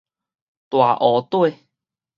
大湖底